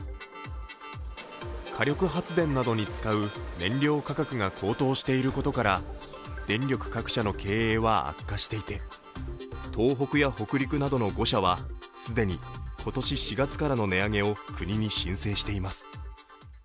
火力発電などに使う燃料価格が高騰していることから電力各社の経営は悪化していて、東北や北陸などの５社は既に今年４月からの値上げを国に申請しています。